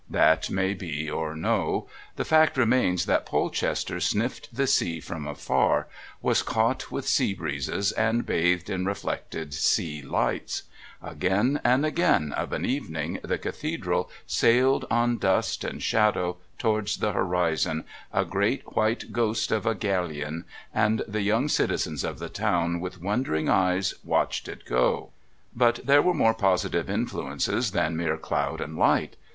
That may be or no; the fact remains that Polchester sniffed the sea from afar, was caught with sea breezes and bathed in reflected sea lights; again and again of an evening the Cathedral sailed on dust and shadow towards the horizon, a great white ghost of a galleon, and the young citizens of the town with wondering eyes, watched it go. But there were more positive influences than mere cloud and light.